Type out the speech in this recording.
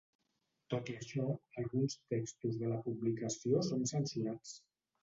Tot i això, alguns textos de la publicació són censurats.